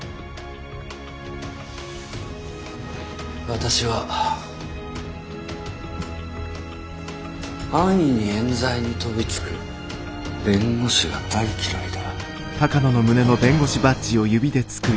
私は安易にえん罪に飛びつく弁護士が大嫌いだ。